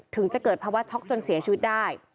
ถึงจะเกิดภาวะช็อกจนเสียชีวิตได้